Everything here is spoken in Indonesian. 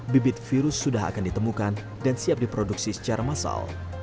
bibit virus sudah akan ditemukan dan siap diproduksi secara massal